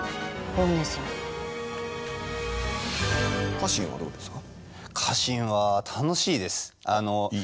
家臣はどうですか？